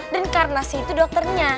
dan karena saya itu dokternya